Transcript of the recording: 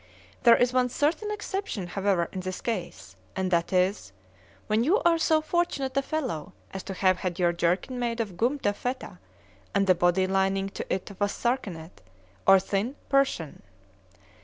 There is one certain exception however in this case, and that is, when you are so fortunate a fellow, as to have had your jerkin made of gum taffeta, and the body lining to it of a sarcenet, or thin persian.